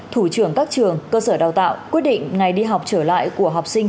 thủ trưởng các trường cơ sở đào tạo quyết định ngày đi học trở lại của học sinh